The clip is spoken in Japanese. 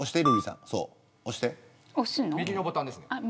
右のボタンですね。